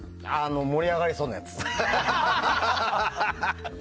盛り上がれそうなやつ。